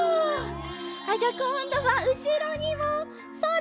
じゃあこんどはうしろにもそれ！